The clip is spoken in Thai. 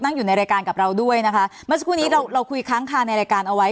อยู่ในรายการกับเราด้วยนะคะเมื่อสักครู่นี้เราเราคุยค้างคาในรายการเอาไว้